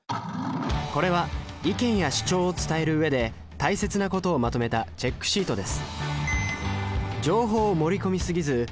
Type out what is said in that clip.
これは意見や主張を伝えるうえで大切なことをまとめたチェックシートです